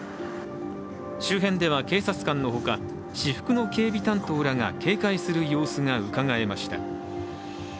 周辺では警察官のほか私服の警備担当らが警戒する様子がうかがえました。